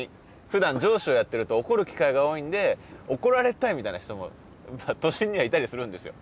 ふだん上司をやってると怒る機会が多いんで怒られたいみたいな人も都心にはいたりするんですよ。